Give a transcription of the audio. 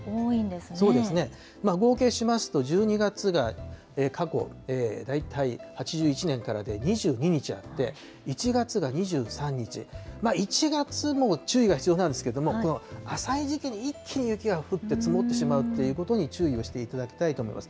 そうですね、合計しますと、１２月が過去大体８１年からで２２日あって、１月が２３日、１月も注意が必要なんですけれども、浅い時期に一気に雪が降って、積もってしまうということに注意をしていただきたいと思います。